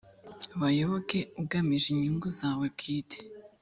bayoboke ugamije inyungu zawe bwite